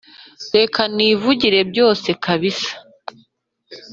reka nivugire byose kabisa